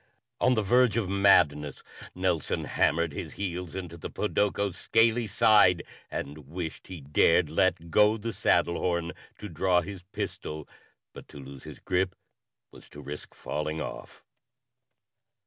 _ On the verge of madness, Nelson hammered his heels into the podoko's scaly side and wished he dared let go the saddle horn to draw his pistol, but to loose his grip was to risk falling off.